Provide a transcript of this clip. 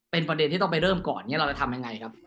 เป็นประเด็นที่ต้องไปเริ่มก่อนเนี่ยเราจะทำยังไงครับ